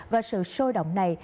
và sự sôi động này